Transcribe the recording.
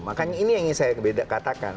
makanya ini yang ingin saya katakan